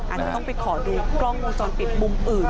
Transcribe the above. อันนี้ต้องไปขอดูกล้องมุมจรปิดบุมอื่น